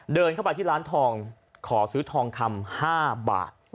เดินเข้าไปที่ร้านทองขอซื้อทองคำ๕บาท